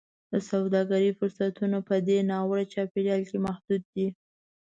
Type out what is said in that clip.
د سوداګرۍ فرصتونه په دې ناوړه چاپېریال کې محدود دي.